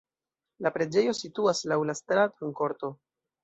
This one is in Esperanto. La preĝejo situas laŭ la strato en korto.